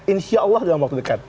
insya allah dalam waktu dekat